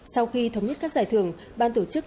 sau khi thống nhất các giải thưởng ban tổ chức